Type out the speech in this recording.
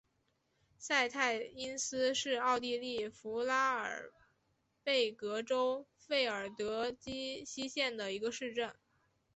萨泰因斯是奥地利福拉尔贝格州费尔德基希县的一个市镇。